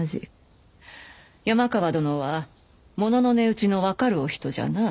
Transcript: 山川殿は物の値打ちの分かるお人じゃな。